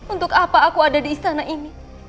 untuk apa aku ada di istana ini